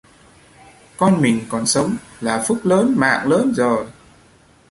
Con mình còn sống là phúc lớn mạng lớn rồi